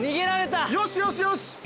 よしよしよし。